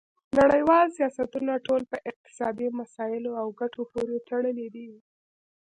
نړیوال سیاستونه ټول په اقتصادي مسایلو او ګټو پورې تړلي دي